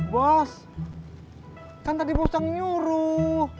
bos kan tadi bos yang nyuruh